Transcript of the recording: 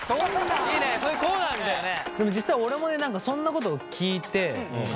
いいねそういうコーナーみたいだね。